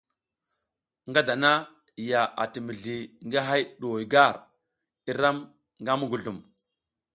Nga dana ya ati mizli ngi hay du gar i ram nga muguzlum.